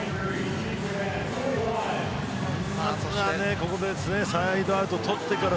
ここでサイドアウトを取ってから